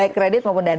baik kredit maupun dana